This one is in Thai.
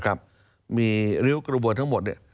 นะครับมีริ้วกระบวนทั้งหมดเนี้ย